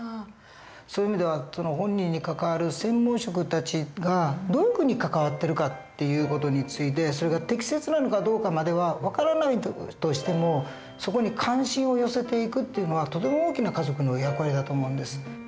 そういう意味では本人に関わる専門職たちがどういうふうに関わってるかっていう事についてそれが適切なのかどうかまでは分からないとしてもそこに関心を寄せていくっていうのはとても大きな家族の役割だと思うんです。